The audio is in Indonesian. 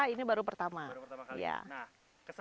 ini baru pertama kali